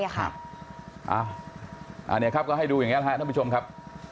อันนี้ครับก็ให้ดูอย่างนี้นะครับท่านผู้ชมครับ